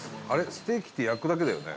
ステーキって焼くだけだよね？